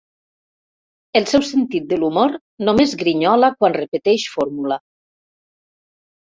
El seu sentit de l'humor només grinyola quan repeteix fórmula.